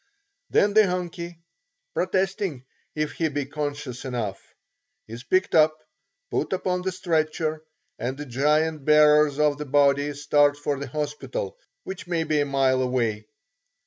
Then the "Hunkie" protesting if he be conscious enough is picked up, put upon the stretcher, and the giant bearers of the body start for the hospital, which may be a mile away.